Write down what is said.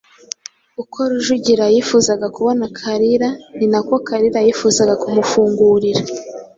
Uko Rujugira yifuza kubona Kalira ni na ko Kalira yifuzaga kumufungurira,